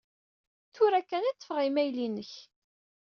Tura kan i ṭṭfeɣ imayl-inek.